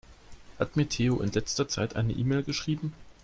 Hat mir Theo in letzter Zeit eine E-Mail geschrieben?